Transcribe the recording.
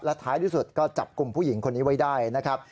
ท้ายที่สุดก็จับกลุ่มผู้หญิงคนนี้ไว้ได้นะครับ